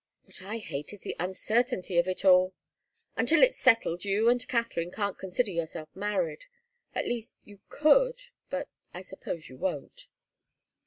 What I hate is the uncertainty of it all. Until it's settled you and Katharine can't consider yourselves married. At least, you could but I suppose you won't."